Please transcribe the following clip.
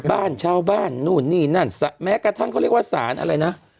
บ้านชาวบ้านนู่นนี่นั่นแม้กระทั่งเขาเรียกว่าสารอะไรนะ